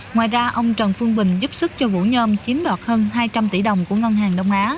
ngoài ra ông trần phương bình giúp sức cho vũ nhôm chiếm đoạt hơn hai trăm linh tỷ đồng của ngân hàng đông á